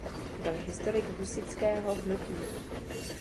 Byl historik husitského hnutí.